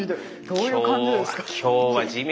どういう感じですか？